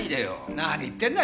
何言ってんだよ。